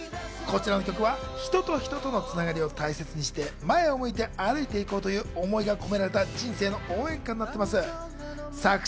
こちらの曲は人と人との繋がりを大切にして前を向いて歩いて行こうという思いが込められた人生の応援歌になっています。